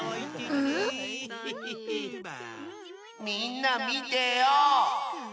みんなみてよ。